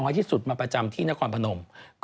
อายุน้อยที่สุดมาประจำที่นครพนม